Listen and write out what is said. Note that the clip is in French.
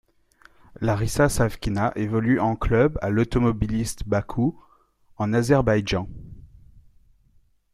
Larisa Savkina évolue en club à l'Automobilist Bakou, en Azerbaïdjan.